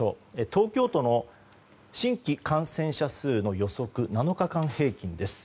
東京都の新規感染者数の予測７日間平均です。